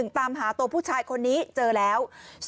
ตามหาตัวผู้ชายคนนี้เจอแล้ว